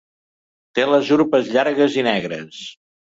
Té les urpes llargues i negres.